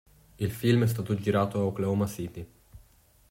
Il film è stato girato a Oklahoma City.